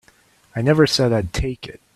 I never said I'd take it.